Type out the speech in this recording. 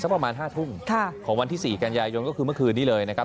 ประมาณ๕ทุ่มของวันที่๔กันยายนก็คือเมื่อคืนนี้เลยนะครับ